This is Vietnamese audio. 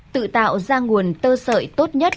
tự tạo ra nguồn tơ sợi tốt nhất